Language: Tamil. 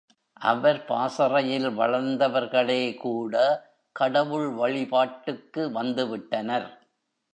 அவர் பாசறையில் வளர்ந்தவர்களேகூட கடவுள் வழிபாட்டுக்கு வந்துவிட்டனர்.